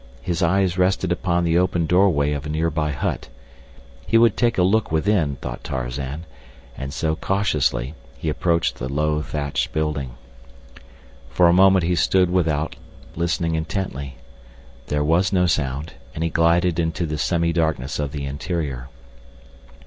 His eyes rested upon the open doorway of a nearby hut. He would take a look within, thought Tarzan, and so, cautiously, he approached the low thatched building. For a moment he stood without, listening intently. There was no sound, and he glided into the semi darkness of the interior.